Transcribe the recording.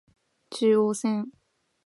中央線